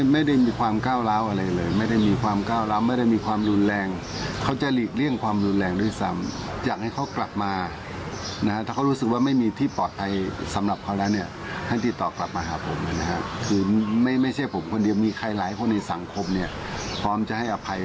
มีใครหลายคนในสังคมพร้อมจะให้อภัย